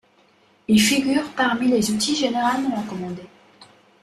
Il figure parmi les outils généralement recommandés.